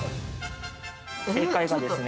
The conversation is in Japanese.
◆正解がですね